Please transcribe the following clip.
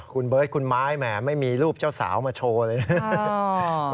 คุณเบิร์ตคุณไม้แหมไม่มีรูปเจ้าสาวมาโชว์เลยนะ